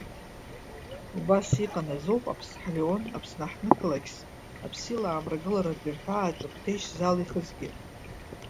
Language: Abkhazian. Убас иҟан азоуп Аԥсҳа Леон Аԥсны аҳҭнықалақьс аԥсилаа амрагыларатәи рҳәааҿы Қәҭешь залихызгьы…